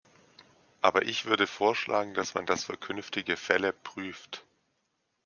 Aber ich würde vorschlagen, dass man das für künftige Fälle prüft.